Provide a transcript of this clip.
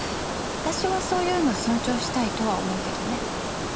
私はそういうの尊重したいとは思うけどね。